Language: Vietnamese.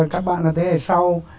các bạn là thế hệ sau